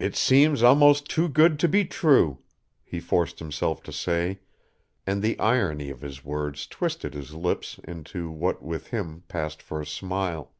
"It seems almost too good to be true," he forced himself to say, and the irony of his words twisted his lips into what with him passed for a smile.